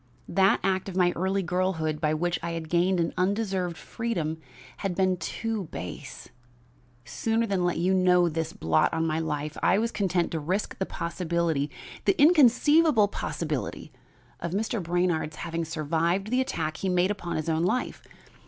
That act of my early girlhood by which I had gained an undeserved freedom had been too base; sooner than let you know this blot on my life, I was content to risk the possibility the inconceivable possibility of Mr. Brainard's having survived the attack he had made upon his own life.